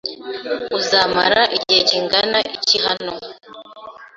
Uzamara igihe kingana iki hano?